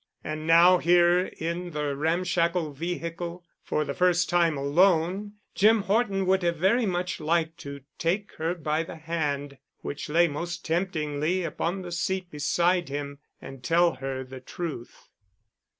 And now, here in the ramshackle vehicle, for the first time alone, Jim Horton would have very much liked to take her by the hand (which lay most temptingly upon the seat beside him) and tell her the truth.